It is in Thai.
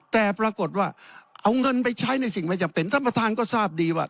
แต่ปรากฏว่าเอาเงินไปใช้ในสิ่งไม่จำเป็นท่านประธานก็ทราบดีว่า